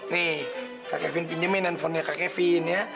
nih kak kevin pinjemin handphonenya kak kevin ya